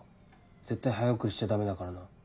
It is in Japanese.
絶対早送りしちゃダメだからな。